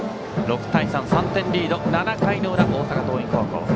６対３と３点リード、７回の裏大阪桐蔭高校。